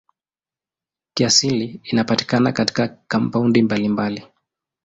Kiasili inapatikana katika kampaundi mbalimbali.